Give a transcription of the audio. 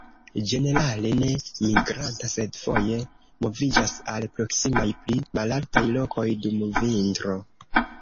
Ĝenerale ne migranta, sed foje moviĝas al proksimaj pli malaltaj lokoj dum vintro.